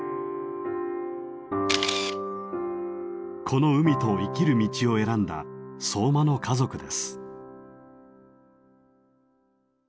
この海と生きる道を選んだ相馬の家族です。